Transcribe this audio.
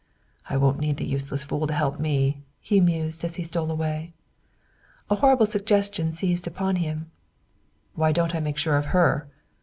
"I won't need the useless fool to help me," he mused as he stole away. A horrible suggestion seized upon him. "Why don't I make sure of her?"